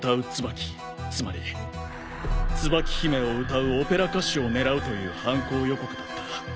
つまり『椿姫』を歌うオペラ歌手を狙うという犯行予告だった。